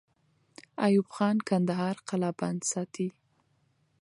ایوب خان کندهار قلابند ساتي.